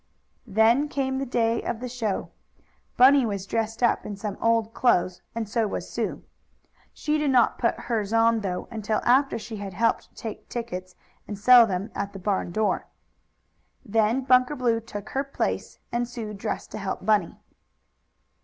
Then came the day of the show. Bunny was dressed up in some old clothes, and so was Sue. She did not put hers on, though, until after she had helped take tickets, and sell them, at the barn door. Then Bunker Blue took her place, and Sue dressed to help Bunny.